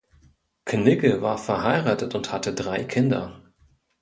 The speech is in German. Knigge war verheiratet und hatte drei Kinder.